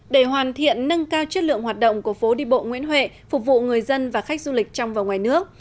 để hoàn thiện nâng cao chất lượng hoạt động của phố đi bộ nguyễn huệ phục vụ người dân và khách du lịch trong và ngoài nước